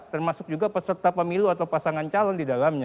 termasuk juga peserta pemilu atau pasangan calon didalamnya